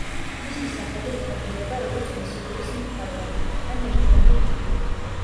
მისი სახელი ითარგმნება როგორც „მისი გულის მფარველი“ ან „ერთიანი გული“.